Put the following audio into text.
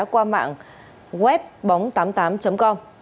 qua mạng web bóng tám mươi tám com